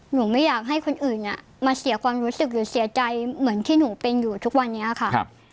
ไม่อยากให้คนอื่นมาเสียความรู้สึกหรือเสียใจเหมือนที่หนูเป็นอยู่ทุกวันนี้ค่ะ